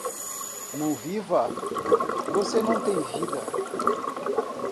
Não viva, você não tem vida